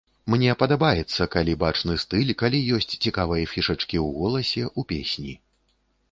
Мне падабаецца, калі бачны стыль, калі ёсць цікавыя фішачкі у голасе, у песні.